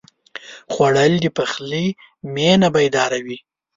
خوړل د پخلي مېنه بیداروي